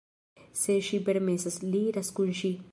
Se ŝi permesas, li iras kun ŝi.